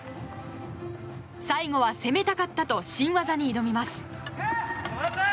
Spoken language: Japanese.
最後は攻めたかったと新技に挑みます。